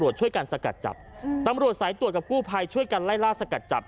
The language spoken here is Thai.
ช่วยกันไล่ลาดสกัดจับ